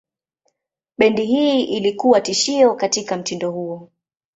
Bendi hii ilikuwa tishio katika mtindo huo.